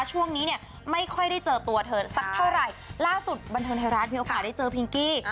ช่วงนี้เนี่ยไม่ค่อยได้เจอตัวเธอสักเท่าไหร่ล่าสุดบันเทิงไทยรัฐมีโอกาสได้เจอพิงกี้